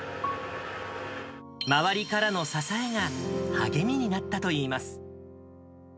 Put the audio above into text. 周りからの支えが、励みになったといいます。